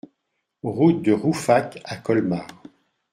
Route de Rouffach à Colmar